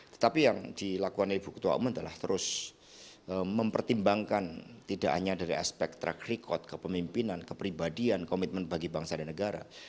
tetapi yang dilakukan ibu ketua umum adalah terus mempertimbangkan tidak hanya dari aspek track record kepemimpinan kepribadian komitmen bagi bangsa dan negara